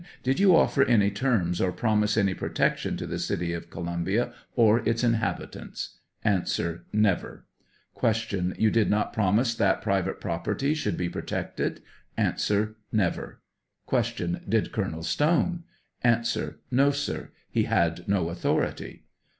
Did you offer any terms or promise any protec tion to the city of Columbia or its inhabitants? A. Never. Q. You did not promise that private property should be protected ? A. Never. Q. Did Colonel Stone? A. No, sir; he had no authority.